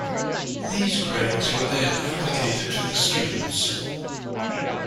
These grades were then allocated to the students.